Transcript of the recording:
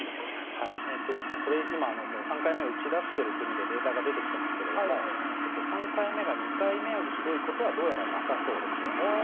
はい今３回目を打ちだしてる国でデータが出てきてますけれども３回目が２回目よりひどいことはどうやらなさそうです